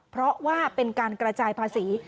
เพราะว่าเป็นการกระจายภาษี